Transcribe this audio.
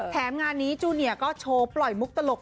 แถมงานนี้จูเนียก็โชว์ปล่อยมุกตลก